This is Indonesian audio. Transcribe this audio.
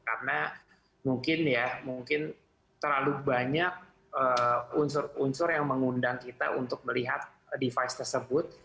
karena mungkin ya mungkin terlalu banyak unsur unsur yang mengundang kita untuk melihat device tersebut